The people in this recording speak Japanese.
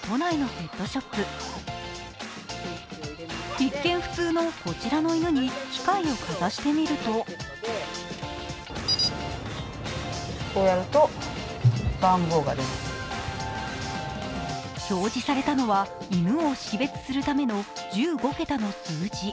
一見、普通のこちらの犬に機械をかざしてみると標示されたのは犬を種別するための１５桁の数字。